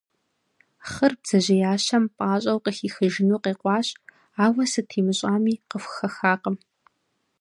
Хъыр бдзэжьеящэм пӏащӏэу къыхихыжыну къекъуащ, ауэ сыт имыщӏами, къыхухэхакъым.